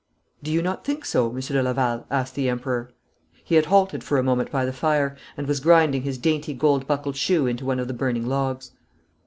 'Do you not think so, Monsieur de Laval?' asked the Emperor. He had halted for a moment by the fire, and was grinding his dainty gold buckled shoe into one of the burning logs.